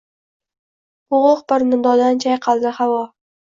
Bo’g’iq bir nidodan chayqaldi havo: